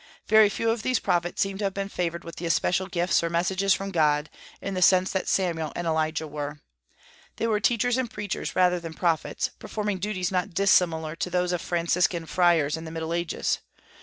Very few of these prophets seem to have been favored with especial gifts or messages from God, in the sense that Samuel and Elijah were. They were teachers and preachers rather than prophets, performing duties not dissimilar to those of Franciscan friars in the Middle Ages.